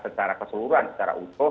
secara keseluruhan secara utuh